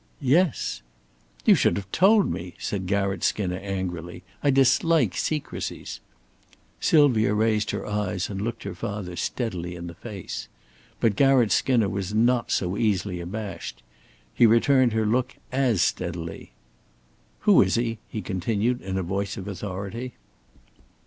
"Yes." "You should have told me," said Garratt Skinner, angrily. "I dislike secrecies." Sylvia raised her eyes and looked her father steadily in the face. But Garratt Skinner was not so easily abashed. He returned her look as steadily. "Who is he?" he continued, in a voice of authority.